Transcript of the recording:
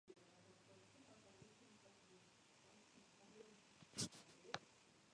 Simplemente solíamos tocar, tocar y tocar.